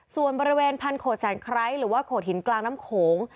ส่วนบริเวณพันโขดแสนไคร้หรือว่าโขดหินกลางน้ำโขง